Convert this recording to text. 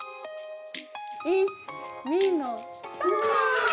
１２の３！